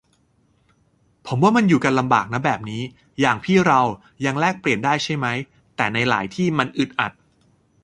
ผมว่ามันอยู่กันลำบากนะแบบนี้ อย่างพี่เรายังแลกเปลี่ยนได้ใช่ไหม แต่ในหลายที่มันอึดอัด